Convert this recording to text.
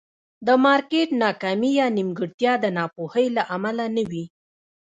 د مارکېټ ناکامي یا نیمګړتیا د ناپوهۍ له امله نه وي.